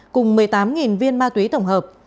cùng một mươi tám viên ma túy tổng hợp